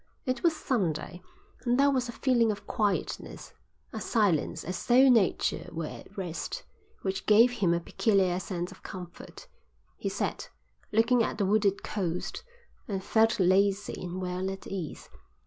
It was Sunday, and there was a feeling of quietness, a silence as though nature were at rest, which gave him a peculiar sense of comfort. He sat, looking at the wooded coast, and felt lazy and well at ease.